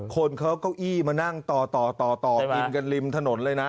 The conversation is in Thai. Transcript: คนเขาเก้าอี้มานั่งต่อต่อกินกันริมถนนเลยนะ